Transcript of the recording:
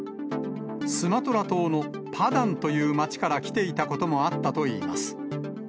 スマトラ島のパダンという町から来ていたこともあったといいます。